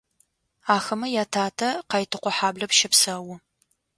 Ахэмэ ятатэ Къайтыкъо хьаблэм щэпсэу.